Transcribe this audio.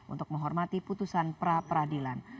untuk menghormati putusan pra peradilan